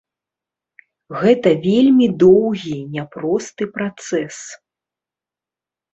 Гэта вельмі доўгі няпросты працэс.